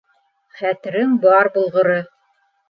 Хәтерең бар булғыры...